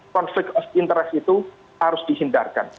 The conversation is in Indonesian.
konflik of interest itu harus dihindarkan